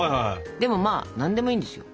でもまあ何でもいいんですよ。